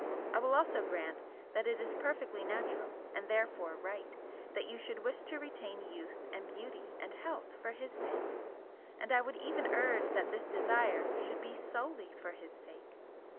I will also grant that it is perfectly natural, and therefore right, that you should wish to retain youth and beauty and health for his sake, and I would even urge that this desire should be SOLELY for his sake!